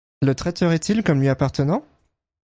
Le traiterait-il comme lui appartenant?